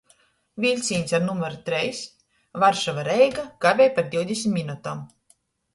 Viļcīņs ar numeri treis Varšava — Reiga kavej par divdesmit minutom.